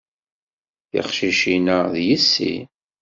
Tiqcicin-a d yessi.